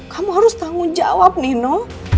kamu harus tanggung jawab nino